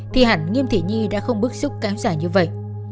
thì hẳn nghiêm thỷ nhi đã không bức xúc cáu giải như vậy